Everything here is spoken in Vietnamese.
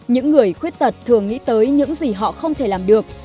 những người khuyết tật thường nghĩ tới những gì họ không thể làm được